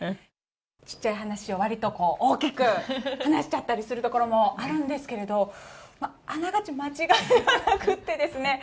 ちっちゃい話をわりとこう、大きく話しちゃったりするところもあるんですけれど、あながち間違いではなくてですね。